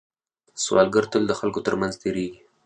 سوالګر تل د خلکو تر منځ تېرېږي